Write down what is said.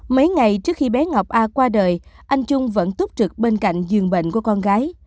mấy ngày trước khi bé ngọc a qua đời anh trung vẫn túc trực bên cạnh giường bệnh của con gái